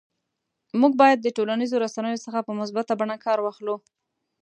موږ باید د ټولنیزو رسنیو څخه په مثبته بڼه کار واخلو